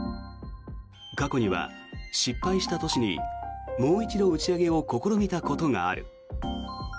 過去には失敗した年にもう一度打ち上げを試みたことがある。